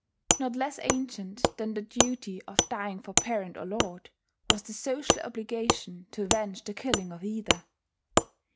Not less ancient than the duty of dying for parent or lord was the social obligation to avenge the killing of either.